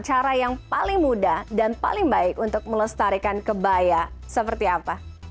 cara yang paling mudah dan paling baik untuk melestarikan kebaya seperti apa